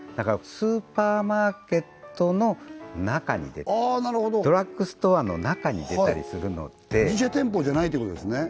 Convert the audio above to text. スーパーマーケットの中に出たりああなるほどドラッグストアの中に出たりするので自社店舗じゃないってことですね